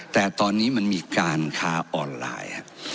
แต่ตอนนี้มันมีการค้าออนไลน์